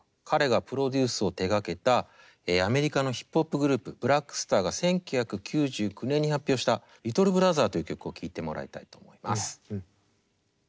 彼がプロデュースを手がけたアメリカのヒップホップグループブラック・スターが１９９９年に発表した「ＬｉｔｔｌｅＢｒｏｔｈｅｒ」という曲を聴いてもらいたいと思います。